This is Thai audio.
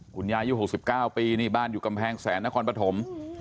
อายุ๖๙ปีนี่บ้านอยู่กำแพงแสนนครปฐม